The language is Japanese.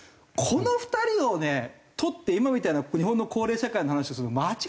この２人をねとって今みたいな日本の高齢社会の話をするの間違ってますって。